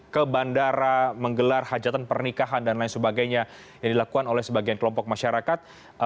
ke bandara menggelar hajatan pernikahan dan lain sebagainya yang dilakukan oleh sebagian kelompok masyarakat